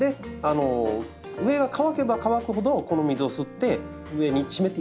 上が乾けば乾くほどこの水を吸って上に湿っていくんですね。